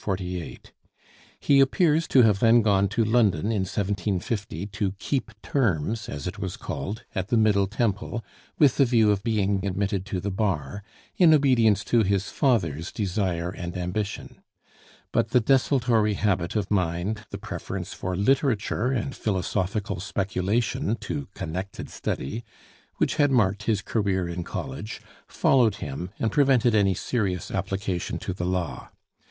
He appears to have then gone to London in 1750 to "keep terms," as it was called, at the Middle Temple, with the view of being admitted to the bar, in obedience to his father's desire and ambition. But the desultory habit of mind, the preference for literature and philosophical speculation to connected study, which had marked his career in college, followed him and prevented any serious application to the law.